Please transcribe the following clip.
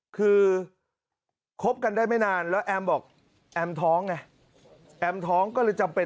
คือคบกันได้ไม่นานแล้วแอมบอกแอมท้องไงแอมท้องก็เลยจำเป็น